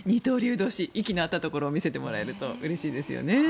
同士息の合ったところを見せてもらえると嬉しいですね。